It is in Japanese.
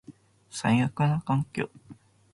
最悪な環境